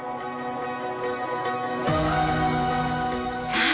さあ